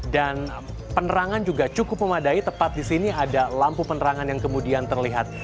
dan penerangan juga cukup memadai tepat di sini ada lampu penerangan yang kemudian terlihat